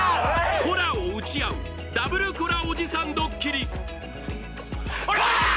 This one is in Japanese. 「コラ」を打ち合うダブルコラおじさんドッキリコラーッ！